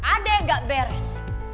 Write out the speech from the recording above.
ada yang gak beres